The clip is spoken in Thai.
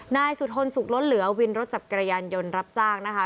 นายสุธนสุขล้นเหลือวินรถจักรยานยนต์รับจ้างนะคะ